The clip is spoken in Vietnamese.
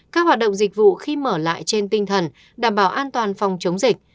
các hoạt động dịch vụ khi mở lại trên tinh thần đảm bảo an toàn phòng chống dịch